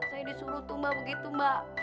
saya disuruh tuh mbak begitu mbak